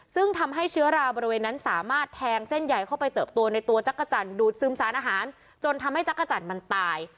ซึ่งทำให้เชื้อราบริเวณนั้นสามารถแทงเส้นใหญ่เข้าไปเติบตัวในตัวจักรจันทร์ดูดซึมสารอาหารจนทำให้จักรจันทร์มันตาย